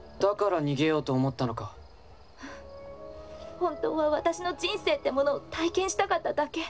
本当は私の人生ってものを体験したかっただけ。